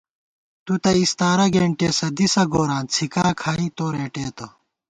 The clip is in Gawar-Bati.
تُو تہ اَستارہ گېنٹېسہ دِسہ گوراں څھِکا کھائی تو رېٹېتہ